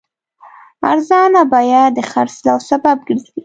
ارزانه بیه د خرڅلاو سبب ګرځي.